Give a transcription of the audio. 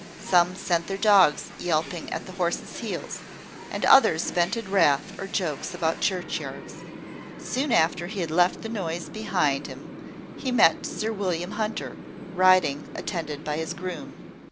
Some sent their dogs yelping at his horse's heels, and others vented wrath or jokes about churchyards. Soon after he had left the noise behind him, he met Sir William Hunter, riding, attended by his groom.